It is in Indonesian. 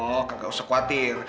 oh nggak usah khawatir